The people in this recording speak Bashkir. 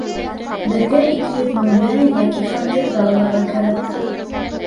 Беҙгә ике йөҙ меңде, йәки фатирҙы алырға кәрәк.